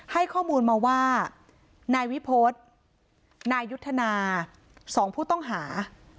ให้ข้อมูลมาว่านายวิพฤษนายยุทธนาสองผู้ต้องหา